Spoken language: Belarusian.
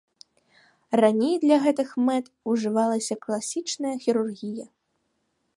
Раней для гэтых мэт ужывалася класічная хірургія.